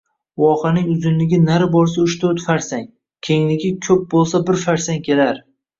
Vohaning uzunligi nari borsa uch-toʻrt farsang, kengligi koʻp boʻlsa bir farsang kelar